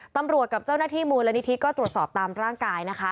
ตำรวจกับเจ้าหน้าที่มูลนิธิตรวจสอบตามร่างกาย